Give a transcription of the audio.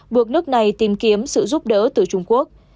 buộc nước này tìm kiếm sự giúp đỡ từ trung quốc